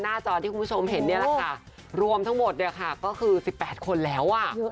หน้าจอที่คุณผู้ชมเห็นรวมทั้งหมดก็คือ๑๘คนแล้ว